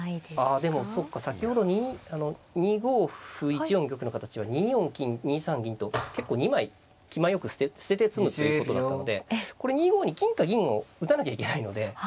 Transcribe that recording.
あでもそうか先ほど２五歩１四玉の形は２四金２三銀と結構２枚気前よく捨てて詰むということだったのでこれ２五に金か銀を打たなきゃいけないので。